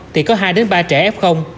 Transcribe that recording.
thì có hai ba trẻ f